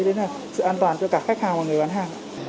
đấy là sự an toàn cho cả khách hàng và người bán hàng